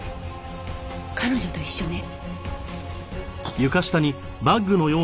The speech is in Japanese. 彼女と一緒ね。